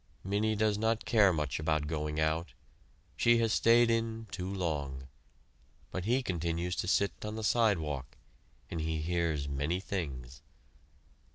Minnie does not care much about going out. She has stayed in too long. But he continues to sit on the sidewalk, and he hears many things.